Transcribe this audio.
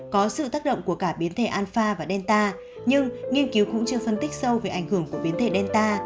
có sự tác động của cả biến thể anfa và delta nhưng nghiên cứu cũng chưa phân tích sâu về ảnh hưởng của biến thể delta